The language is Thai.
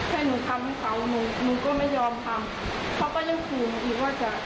ให้หนูทำให้เขาหนูหนูก็ไม่ยอมทำเขาก็ยังฟูหนูอีกว่าจะยัดยานมันห้าสิบเมตร